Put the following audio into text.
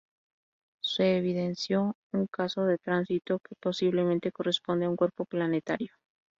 Se evidenció un caso de tránsito, que posiblemente corresponde a un cuerpo planetario.